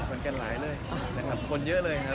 ควรมีคนได้ติดกันหลายคนเยอะเลยครับ